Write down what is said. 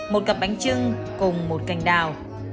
một cặp bánh trưng cùng một cành đào